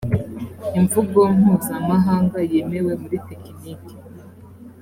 imvugo mpuzamahanga yemewe muri tekiniki